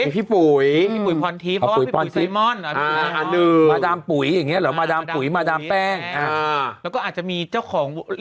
พี่ปุ๋ยพรทีปเพราะว่าพี่ปุ๋ยซัยมอน